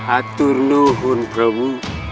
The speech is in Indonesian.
atur luhur prabu